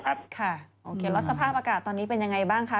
ค่ะแล้วสภาพอากาศตอนนี้เป็นอย่างไรบ้างคะ